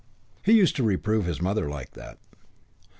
He used to reprove his mother like that.